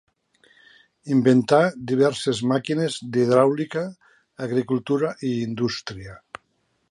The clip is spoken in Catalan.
Inventà diverses màquines d'hidràulica, agricultura i indústria.